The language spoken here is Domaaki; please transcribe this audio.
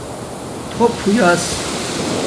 تھݸپ ہویاس